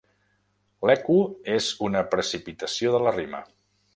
L'eco és una precipitació de la rima.